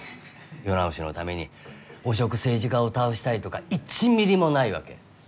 世直しのために汚職政治家を倒したいとか１ミリもないわけ。